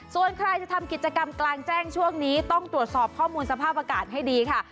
ส่วนใครจะทำกิจกรรมกลางแจ้งช่วงนี้ต้องตรวจสอบข้อมูลสภาพอากาศให้ดีค่ะ